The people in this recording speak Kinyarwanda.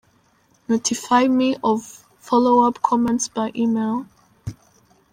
Notify me of follow-up comments by email.